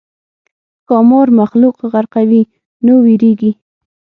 ښامار مخلوق غرقوي نو وېرېږي.